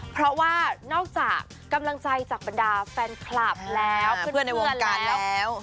เพราะว่านอกจากกำลังใจจากบรรดาแฟนคลับแล้วเพื่อนในวงการแล้ว